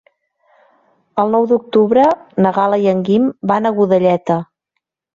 El nou d'octubre na Gal·la i en Guim van a Godelleta.